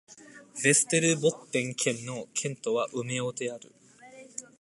ヴェステルボッテン県の県都はウメオである